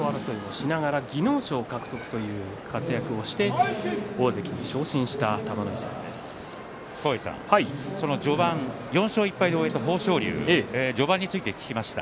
あの時には優勝争いをしながら技能賞獲得という活躍をしてその序盤、４勝１敗で終えた豊昇龍、序盤について聞きました。